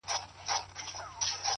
داسي محراب غواړم! داسي محراب راکه!